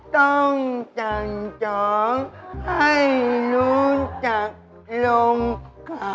ต้องจันทรองให้รู้จักลงเขาราบ